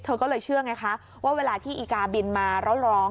เธอก็เลยเชื่อไงคะว่าเวลาที่อีกาบินมาแล้วร้อง